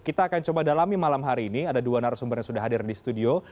kita akan coba dalami malam hari ini ada dua narasumber yang sudah hadir di studio